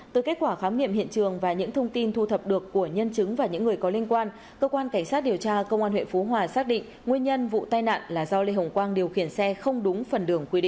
từ kết quả khám nghiệm hiện trường và những thông tin thu thập được của nhân chứng và những người có liên quan cơ quan cảnh sát điều tra công an huyện phú hòa xác định nguyên nhân vụ tai nạn là do lê hồng quang điều khiển xe không đúng phần đường quy định